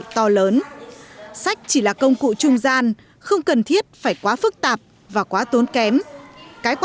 to lớn sách chỉ là công cụ trung gian không cần thiết phải quá phức tạp và quá tốn kém cái